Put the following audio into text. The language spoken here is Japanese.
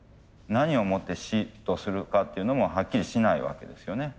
何をもって死とするかっていうのもはっきりしないわけですよね。